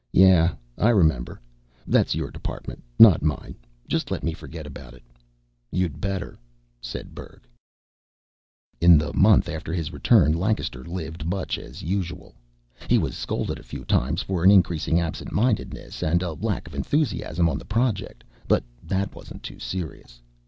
"Yes, I remember. That's your department, not mine. Just let me forget about it." "You'd better," said Berg. In the month after his return, Lancaster lived much as usual. He was scolded a few times for an increasing absent mindedness and a lack of enthusiasm on the Project, but that wasn't too serious.